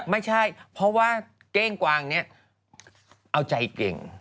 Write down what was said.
ไม่ใช่เพราะว่าเก้งกวางเนี่ยเอาใจเก่ง